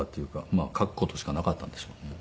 まあ書く事しかなかったんでしょうね。